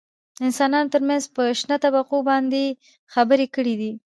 دانسانانو ترمنځ په شته طبقو باندې يې خبرې کړي دي .